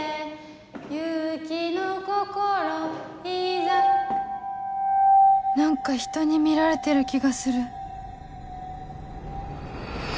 勇気の心いざ何かひとに見られてる気がする